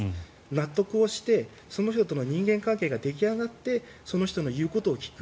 納得して、その人との人間関係が出来上がってその人の言うことを聞く。